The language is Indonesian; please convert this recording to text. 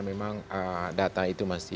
memang data itu masih